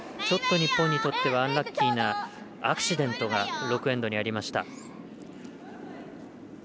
ちょっと日本にとってはアンラッキーなアクシデントが６エンドにありました。